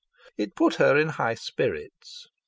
It put her in high spirits.